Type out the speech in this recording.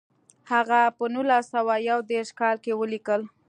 هغه په نولس سوه یو دېرش کال کې ولیکل.